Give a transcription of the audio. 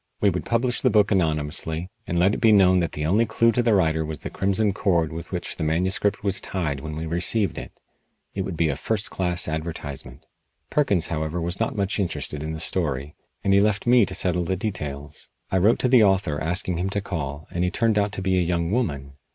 We would publish the book anonymously, and let it be known that the only clue to the writer was the crimson cord with which the manuscript was tied when we received it. It would be a first class advertisement. Perkins, however, was not much interested in the story, and he left me to settle the details. I wrote to the author asking him to call, and he turned out to be a young woman.